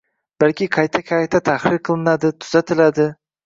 balki qayta-qayta tahrir qilinadi, tuzatiladi.